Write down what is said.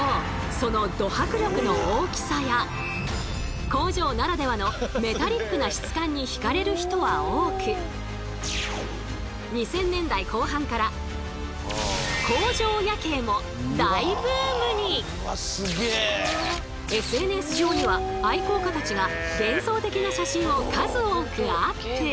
そのド迫力の大きさや工場ならではのメタリックな質感に惹かれる人は多く２０００年代後半からＳＮＳ上には愛好家たちが幻想的な写真を数多くアップ。